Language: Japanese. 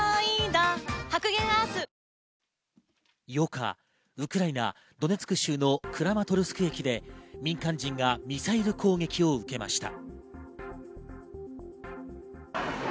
８日、ウクライナ・ドネツク州のクラマトルスク駅で民間人がミサイル攻撃を受けました。